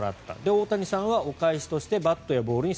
大谷さんはお返しとしてバットやボールに